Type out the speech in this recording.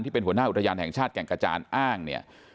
เป็นหัวหน้าอุทยานแห่งชาติแก่งกระจานอ้างเนี่ย